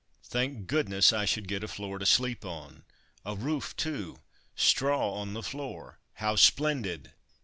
Thank goodness, I should get a floor to sleep on! A roof, too! Straw on the floor! How splendid!